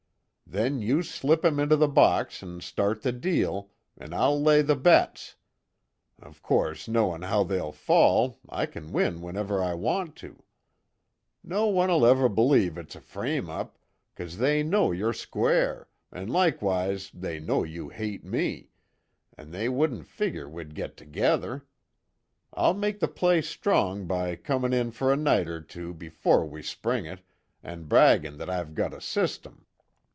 Then you slip 'em into the box an' start the deal, an' I'll lay the bets. Of course, knowin' how they'll fall, I kin win whenever I want to. No one'll ever b'lieve it's a frame up, 'cause they know you're square, an' likewise they know you hate me, an' they wouldn't figger we'd git together. I'll make the play strong by comin' in fer a night er two before we spring it an' braggin' that I've got a system.